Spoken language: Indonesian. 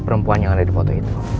perempuan yang ada di foto itu